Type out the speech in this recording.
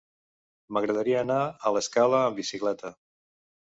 M'agradaria anar a l'Escala amb bicicleta.